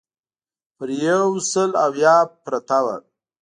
پر یو سل اویا پرته وه.